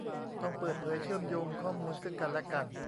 ต้องเปิดเผยเชื่อมโยงข้อมูลซึ่งกันและกัน